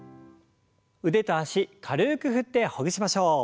腕と脚軽く振ってほぐしましょう。